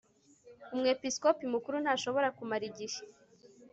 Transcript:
umwepisikopi mukuru ntashobora kumara igihe